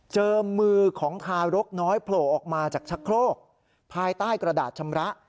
เจอมือของทารกน้อยโผล่ออกมาจากชะโครกภายใต้กระดาษชำระ